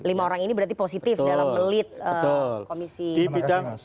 lima orang ini berarti positif dalam melit komisi